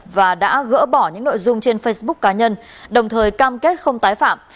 và đã gỡ bỏ những nội dung trên facebook cá nhân đồng thời cam kết không tái phạm